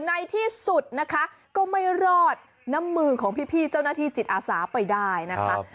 ในที่สุดนะคะก็ไม่รอดน้ำมือของพี่เจ้าหน้าที่จิตอาสาไปได้นะคะ